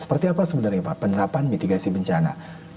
seperti apa sebenarnya pak penerapan mitigasi bencana